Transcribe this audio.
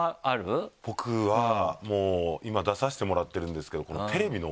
僕はもう今出させてもらってるんですけど。